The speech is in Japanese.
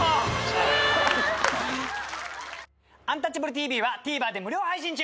「アンタッチャブるＴＶ」はＴＶｅｒで無料配信中！